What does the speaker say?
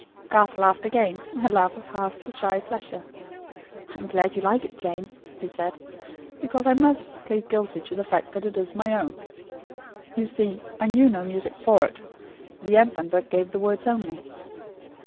Garth laughed again; a laugh of half shy pleasure. "I am glad you like it, Jane," he said, "because I must plead guilty to the fact that it is my own. You see, I knew no music for it; the Anthem book gave the words only.